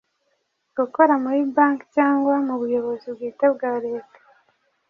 gukora muri banki cyangwa mu buyobozi bwite bwa Leta,